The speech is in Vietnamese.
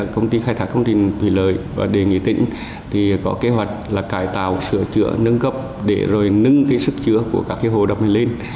công ty khai thác công trình thủy lợi và đề nghị tỉnh có kế hoạch là cải tạo sửa chữa nâng cấp để rồi nâng sức chứa của các hồ đập này lên